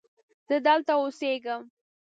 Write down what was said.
زه دلته اوسیږم